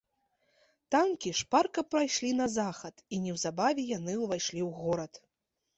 Танкі шпарка пайшлі на захад, і неўзабаве яны ўвайшлі ў горад.